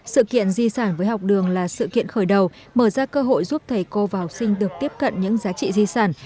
sự kiện di sản với học đường là sự kiện khởi đầu mở ra cơ hội giúp thầy cô và học sinh được tiếp cận những giá trị di sản